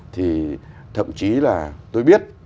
thậm chí là tôi biết